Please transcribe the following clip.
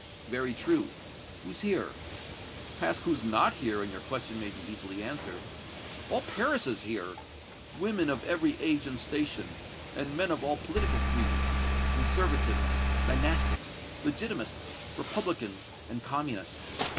"Very true. Who's here?" "Ask who's not here, and your question may be easily answered. All Paris is here! Women of every age and station, and men of all political creeds Conservatives, Dynastics, Legitimists, Republicans and Communists.